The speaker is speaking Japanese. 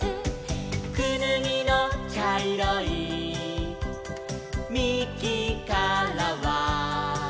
「くぬぎのちゃいろいみきからは」